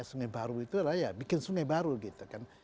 sungai baru itu adalah ya bikin sungai baru gitu kan